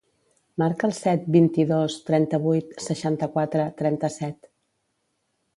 Marca el set, vint-i-dos, trenta-vuit, seixanta-quatre, trenta-set.